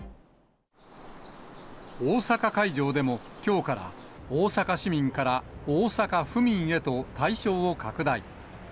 大阪会場でも、きょうから、大阪市民から大阪府民へと対象を拡大。